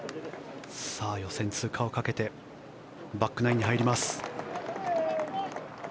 予選通過をかけてバックナインに入ります。